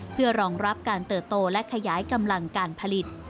เพื่อรองรับการเติบโตและขยายกำลังการผลิต